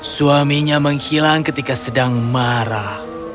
suaminya menghilang ketika sedang marah